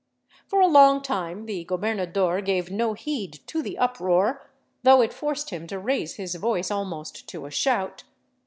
For a long time the gobernador gave no heed to the uproar, though it forced him to raise his voice almost to a shout.